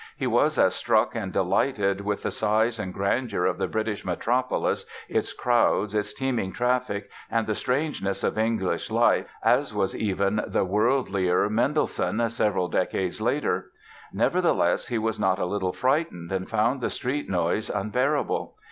He was as struck and delighted with the size and grandeur of the British metropolis, its crowds, its teeming traffic and the "strangeness" of English life as was even the worldlier Mendelssohn, several decades later. Nevertheless, he was not a little frightened and found the street noise "unbearable".